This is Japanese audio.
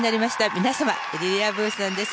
皆様、リリア・ブさんです。